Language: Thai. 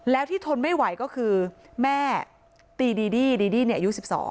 แล้วที่ทนไม่ไหวก็คือแม่ตีดีดี้ดีดี้อายุ๑๒